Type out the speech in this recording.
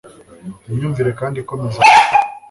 imyumvire kandi ikomeza gukura.